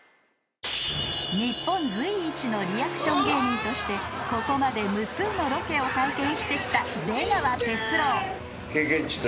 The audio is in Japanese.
［日本随一のリアクション芸人としてここまで無数のロケを体験してきた］